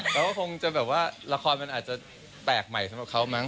เราก็คงจะแบบว่าละครมันอาจจะแตกใหม่สำหรับเขามั้